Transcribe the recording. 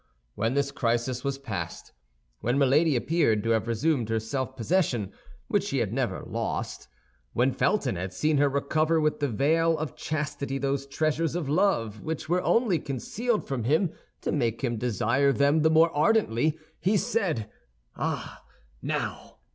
When this crisis was past, when Milady appeared to have resumed her self possession, which she had never lost; when Felton had seen her recover with the veil of chastity those treasures of love which were only concealed from him to make him desire them the more ardently, he said, "Ah, now!